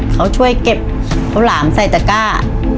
เค้าช่วยเก็บเค้มสายตาก้า